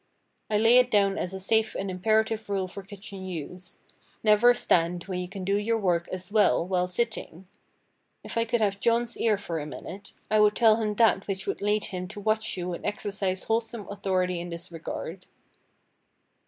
I lay it down as a safe and imperative rule for kitchen use—Never stand when you can do your work as well while sitting. If I could have John's ear for a minute, I would tell him that which would lead him to watch you and exercise wholesome authority in this regard.